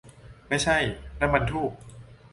ไม่ใช่ ! นั่นมันธูป !